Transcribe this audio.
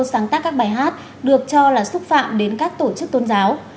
sáng tác các bài hát được cho là xúc phạm đến các tổ chức tôn giáo